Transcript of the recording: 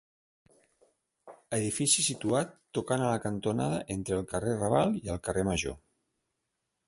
Edifici situat tocant a la cantonada entre el carrer Raval i el carrer Major.